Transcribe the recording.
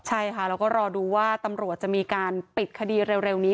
ใช่ค่ะแล้วก็รอดูว่าตำรวจจะมีการปิดคดีเร็วนี้